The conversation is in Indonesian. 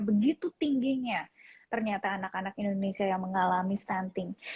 begitu tingginya ternyata anak anak indonesia yang mengalami stunting